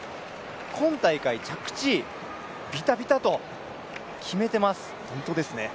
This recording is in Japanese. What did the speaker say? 今大会、着地ビタビタと決めてます。